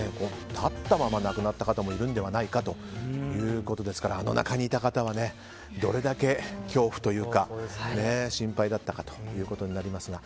立ったままで亡くなった方もいるのではないかということですからあの中にいた方はどれだけ恐怖というか心配だったかということになりますが。